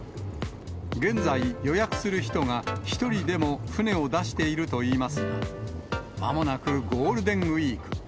現在、予約する人が１人でも船を出しているといいますが、まもなくゴールデンウィーク。